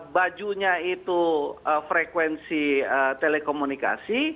bajunya itu frekuensi telekomunikasi